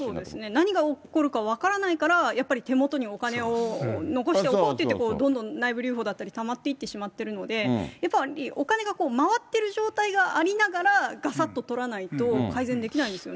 何が起こるか分からないから、やっぱり手元にお金を残しておこうといって、どんどん内部留保だったり、たまっていってしまっているので、やっぱりお金が回ってる状態がありながら、がさっと取らないと改善できないですよね。